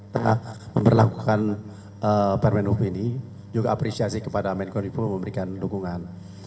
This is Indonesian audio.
terhadap memperlakukan permen hub ini juga apresiasi kepada menkominfo yang memberikan dukungan